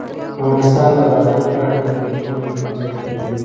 افغانستان د بادامو په اړه ډېرې ګټورې علمي څېړنې لري.